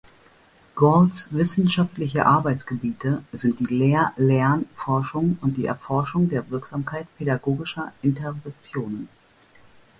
Golds wissenschaftliche Arbeitsgebiete sind die Lehr-Lern-Forschung und die Erforschung der Wirksamkeit pädagogischer Interventionen.